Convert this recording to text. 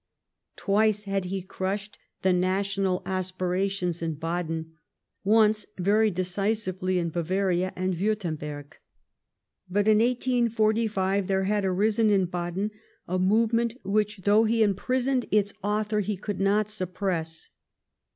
Twice had he crushed the national as))irations in Baden ; once, very decisively, in Bavaria and AViirtemberg. But in 1845 there had arisen in Baden a movement, which, though he imprisoned its author, he could not suppress.